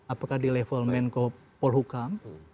apakah di level menko polhukam